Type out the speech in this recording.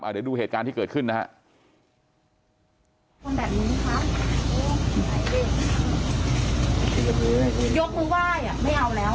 เดี๋ยวดูเหตุการณ์ที่เกิดขึ้นนะฮะ